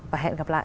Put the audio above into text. và hẹn gặp lại